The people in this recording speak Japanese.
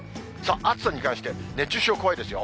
暑さに関して、熱中症、怖いですよ。